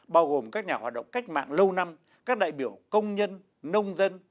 bao gồm các nhà hoạt động cách mạng lâu năm các đại biểu công nhân nông dân